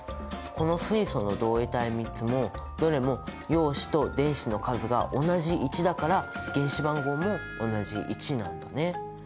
この水素の同位体３つもどれも陽子と電子の数が同じ１だから原子番号も同じ１なんだね。